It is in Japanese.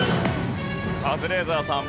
カズレーザーさん